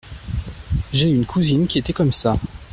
J’ai eu une cousine qui était comme ça.